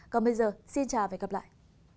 còn bây giờ xin chào và hẹn gặp lại